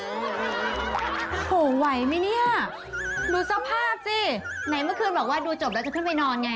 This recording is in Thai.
โอ้โหไหวไหมเนี่ยดูสภาพสิไหนเมื่อคืนบอกว่าดูจบแล้วจะขึ้นไปนอนไง